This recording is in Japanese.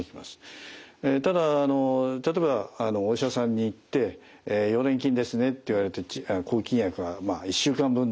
ただ例えばお医者さんに行って「溶連菌ですね」って言われて抗菌薬が１週間分出る。